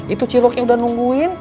itu ciloknya udah nungguin